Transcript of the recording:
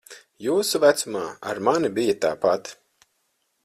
Jūsu vecumā ar mani bija tāpat.